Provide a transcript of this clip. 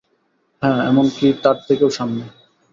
হা, এমনকি তার থেকেও সামনে।